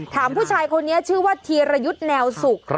ถามผู้ชายคนนี้ชื่อว่าธีรยุทธ์แนวสุก